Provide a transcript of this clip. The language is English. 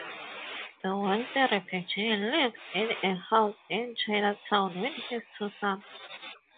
The wealthy refugee lives in a house in Chinatown with his two sons.